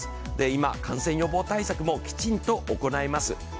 今、感染予防対策もきちんと行います。